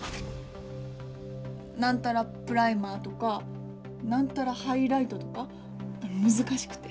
何たらプライマーとか何たらハイライトとか難しくて。